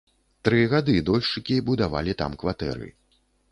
Тры гады дольшчыкі будавалі там кватэры.